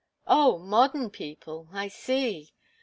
"Oh modern people. I see."